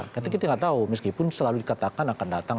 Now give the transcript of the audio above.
tapi kita nggak tahu meskipun selalu dikatakan akan datang